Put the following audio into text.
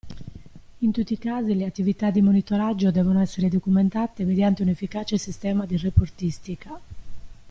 In tutti i casi le attività di monitoraggio devono essere documentate mediante un efficace sistema di reportistica.